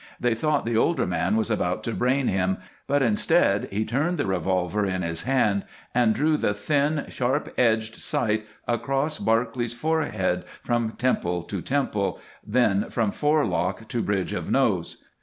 They thought the older man was about to brain him, but instead he turned the revolver in his hand and drew the thin, sharp edged sight across Barclay's forehead from temple to temple, then from forelock to bridge of nose.